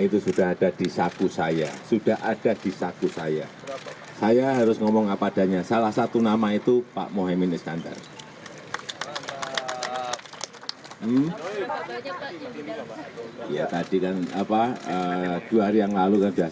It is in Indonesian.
itu yang biasa saya sampaikan ada lima